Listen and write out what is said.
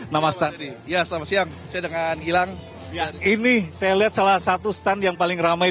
nama stand ya selamat siang saya dengan hilang ini saya lihat salah satu stand yang paling ramai